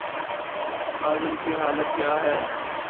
آج ان کی حالت کیا ہے؟